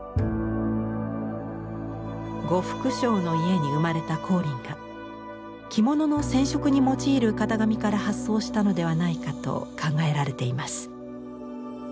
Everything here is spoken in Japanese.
呉服商の家に生まれた光琳が着物の染色に用いる型紙から発想したのではないかと考えられています。